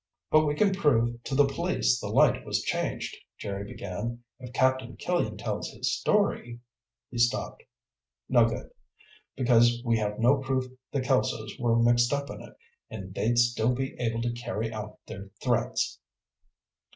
"But we can prove to the police the light was changed," Jerry began. "If Captain Killian tells his story ..." He stopped. "No good. Because we have no proof the Kelsos were mixed up in it, and they'd still be able to carry out their threats."